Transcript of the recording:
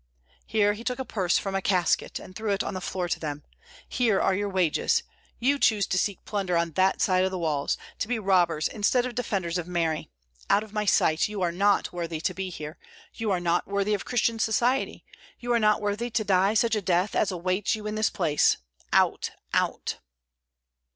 Here he took a purse from a casket, and threw it on the floor to them. "Here are your wages! You choose to seek plunder on that side of the walls, to be robbers instead of defenders of Mary! Out of my sight! you are not worthy to be here! you are not worthy of Christian society! you are not worthy to die such a death as awaits you in this place! Out, out!"